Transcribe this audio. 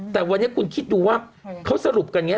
แต่วันนี้คุณคิดดูว่าเขาสรุปกันอย่างนี้